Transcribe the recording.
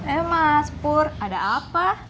eh mas pur ada apa